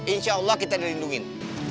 insya allah kita dilindungin